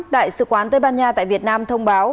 đại sứ quán tây ban nha tại việt nam thông báo